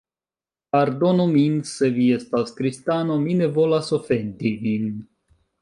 Pardonu min se vi estas kristano, mi ne volas ofendi vin.